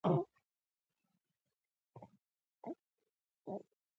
هغه د بدو عواملو مخه نیوله.